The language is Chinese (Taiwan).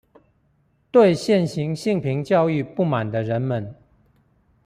對現行性平教育不滿的人們